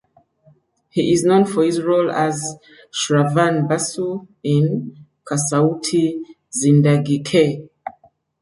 He is known for his role as Shravan Basu in "Kasautii Zindagii Kay".